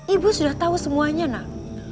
ibu sudah tahu semuanya nak